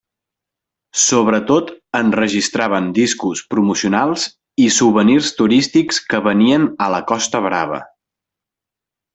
Sobretot enregistraven discos promocionals i souvenirs turístics que venien a la costa brava.